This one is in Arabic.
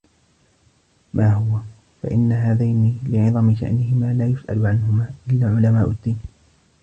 مَا هُوَ ؟ فَإِنَّ هَذَيْنِ لِعِظَمِ شَأْنِهِمَا لَا يُسْأَلُ عَنْهُمَا إلَّا عُلَمَاءُ الدِّينِ